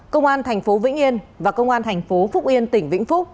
công an tp vĩnh yên và công an tp phúc yên tỉnh vĩnh phúc